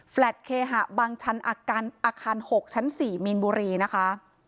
แฟล็ดเคหะบางชั้นอักษร๖ชั้น๔มีนบุรีนะคะ